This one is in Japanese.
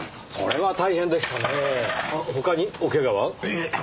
それは大変でしたねぇ。